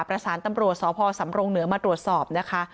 ประสานตำรวจสพสำรงเหนือมาตรวจสอบนะคะ